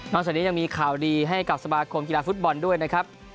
จากนี้ยังมีข่าวดีให้กับสมาคมกีฬาฟุตบอลด้วยนะครับ